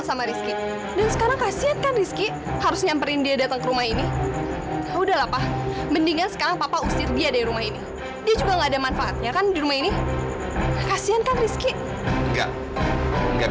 sampai jumpa di video selanjutnya